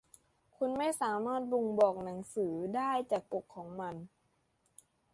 คุณไม่สามารถบ่งบอกหนังสือได้จากปกของมัน